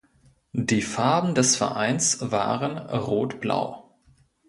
Die Farben des Vereins waren rot-blau.